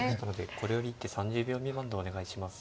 これより一手３０秒未満でお願いします。